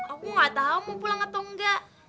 aku gak tahu mau pulang atau enggak